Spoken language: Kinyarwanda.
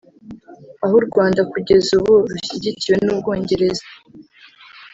aho u Rwanda kugeza ubu rushyigikiwe n’ubwongereza